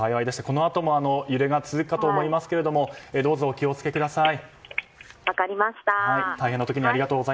このあとも揺れが続くかと思いますがどうぞ、お気を付けください。